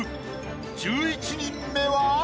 １１人目は？